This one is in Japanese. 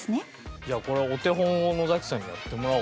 じゃあこれお手本をのざきさんにやってもらおう。